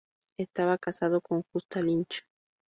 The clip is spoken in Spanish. Estaba casado con Justa Lynch.